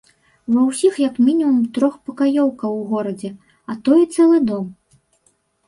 Ва ўсіх як мінімум трохпакаёўка ў горадзе, а то і цэлы дом!